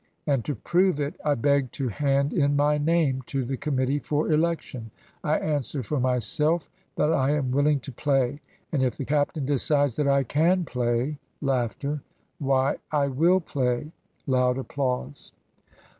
"And to prove it, I beg to hand in my name to the committee for election. I answer for myself that I am willing to play; and if the captain decides that I can play,", "why, I will play." (Loud applause.)